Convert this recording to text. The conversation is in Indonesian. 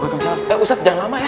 eh ustad jangan lama ya